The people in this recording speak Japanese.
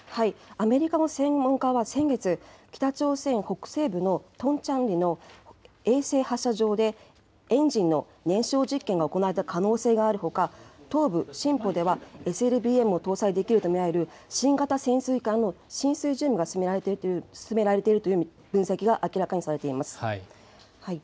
アメリカの専門家は先月、北朝鮮北西部のトンチャンリの衛星発射場で、エンジンの燃焼実験が行われた可能性があるほか、東部シンポではＳＬＢＭを搭載できると見られる新型潜水艦の進水準備が進められているという分析が明らかにされています。